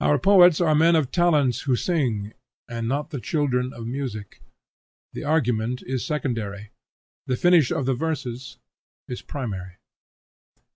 Our poets are men of talents who sing, and not the children of music. The argument is secondary, the finish of the verses is primary.